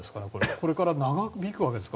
これから長引くわけですか？